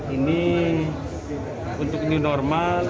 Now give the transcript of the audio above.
ini untuk new normal